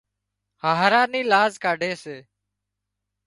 هاهرا نِي لاز ڪاڍي سي